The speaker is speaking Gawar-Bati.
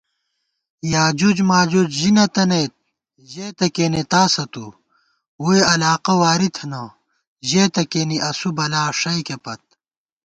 یاجوج ماجوج ژِی نہ تَنَئیت ژېتہ کېنےتاسہ تُو * ووئی علاقہ واری تھنہ ژېتہ کېنےاسُو بلا ݭَئیکےپت